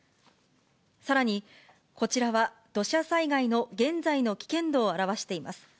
さらに、こちらは土砂災害の現在の危険度を表しています。